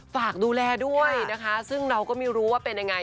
ฝากดูแลด้วยนะคะซึ่งเราก็ไม่รู้ว่าเป็นยังไง